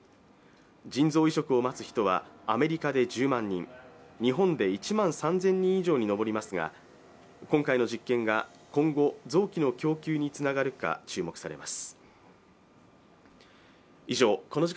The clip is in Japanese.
腎臓移植を待つ人はアメリカで１０万人、日本で１万３０００人以上に上りますが、今回の実験が今後、臓器の供給につながるか注目されます。